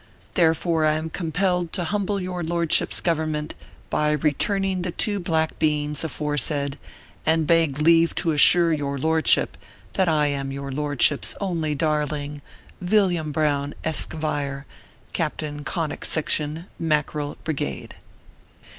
Therefore I am compelled to humble your lord ship s government by returning the two black beings aforesaid, and beg leave to assure your lordship that I am your lordship s only darling, VILLIAM BROWN, Eskevire, Captain Conic Section, Mackerel Brigade.